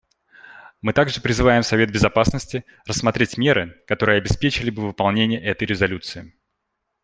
Мы также призываем Совет Безопасности рассмотреть меры, которые обеспечили бы выполнение этой резолюции.